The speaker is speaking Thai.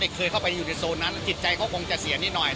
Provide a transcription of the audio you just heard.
ถ้าเด็กเขาไปในนั้นในโซนนั้นจิตใจมันจะเสียนิดหน่อย